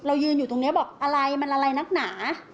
ยืนอยู่ตรงนี้บอกอะไรมันอะไรนักหนา